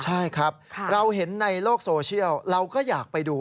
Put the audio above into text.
ใช่ครับเราเห็นในโลกโซเชียลเราก็อยากไปดู